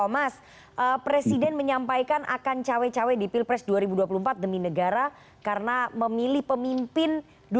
mas presiden menyampaikan akan cawe cawe di pilpres dua ribu dua puluh empat demi negara karena memilih pemimpin